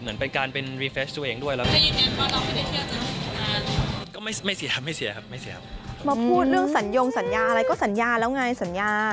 มาพูดเรื่องสัญญงสัญญาอะไรก็สัญญาแล้วไงสัญญา